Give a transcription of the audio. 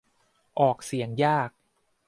ออกเสียงยาก